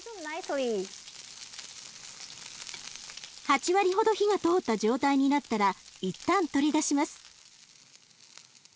８割ほど火が通った状態になったら一旦取り出します。